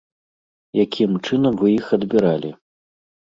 Якім чынам вы іх адбіралі?